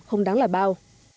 không đáng là bao